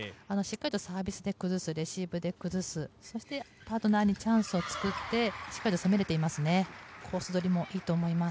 しっかりスマッシュで崩す、レシーブで崩す、そしてパートナーにチャンスを作ってしっかり攻めれています。